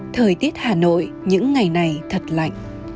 thời tiết hà nội những ngày này thật lạnh